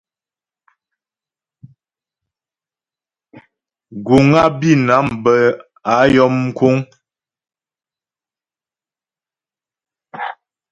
Guŋ á Bǐnam bə́ á yɔm mkúŋ.